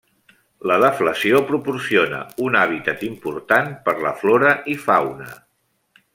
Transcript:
La deflació proporciona un hàbitat important per la flora i fauna.